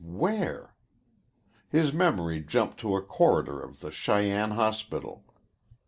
Where? His memory jumped to a corridor of the Cheyenne hospital.